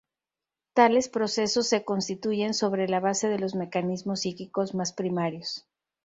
Tales procesos se constituyen sobre la base de los mecanismos psíquicos más primarios.